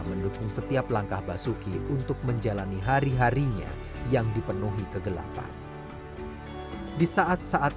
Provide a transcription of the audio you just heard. mendukung setiap langkah basuki untuk menjalani hari harinya yang dipenuhi kegelapan di saat saat